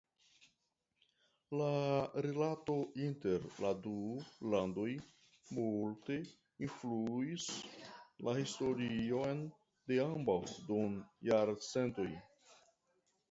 La rilato inter la du landoj multe influis la historion de ambaŭ dum jarcentoj.